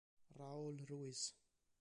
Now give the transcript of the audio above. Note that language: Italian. Raul Ruiz